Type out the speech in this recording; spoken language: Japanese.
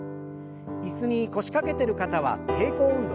椅子に腰掛けてる方は抵抗運動。